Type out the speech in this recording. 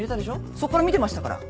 そっから見てましたから。